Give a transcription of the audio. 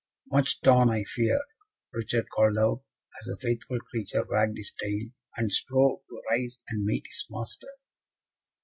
"Much torn, I fear," Richard called out, as the faithful creature wagged his tail, and strove to rise and meet his master.